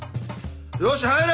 よし入れ！